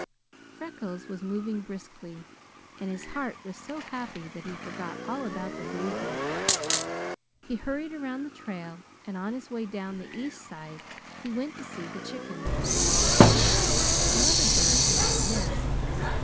Freckles was moving briskly, and his heart was so happy that he forgot all about the bruises. He hurried around the trail, and on his way down the east side he went to see the chickens. The mother bird was on the nest.